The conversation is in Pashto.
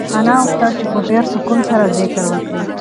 انا غوښتل چې په ډېر سکون سره ذکر وکړي.